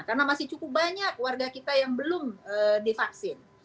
karena masih cukup banyak warga kita yang belum divaksin